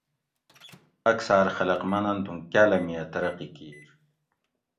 اکثار خلق مننت اوں کالاۤمیہ ترقی کیر